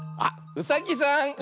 うさぎさん。